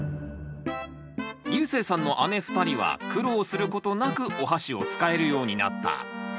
ゆうせいさんの姉２人は苦労することなくおはしを使えるようになった。